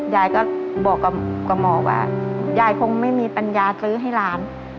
ยายก็บอกกับหมอว่ายายคงไม่มีปัญญาซื้อให้หลาน